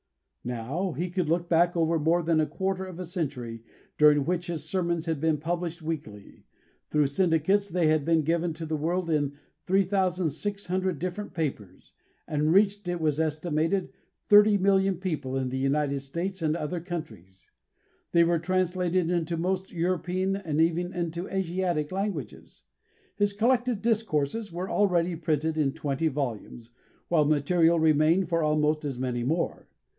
Now he could look back over more than a quarter of a century during which his sermons had been published weekly; through syndicates they had been given to the world in 3,600 different papers, and reached, it was estimated, 30,000,000 people in the United States and other countries. They were translated into most European and even into Asiatic languages. His collected discourses were already printed in twenty volumes, while material remained for almost as many more.